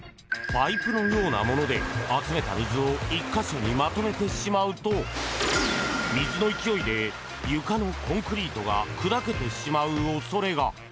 パイプのようなもので集めた水を１か所にまとめてしまうと水の勢いで床のコンクリートが砕けてしまう恐れが。